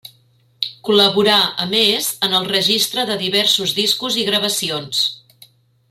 Col·laborà, a més, en el registre de diversos discos i gravacions.